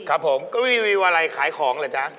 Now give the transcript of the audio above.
ครับผมรีวิวอะไรขายของบ่อยจ้ะ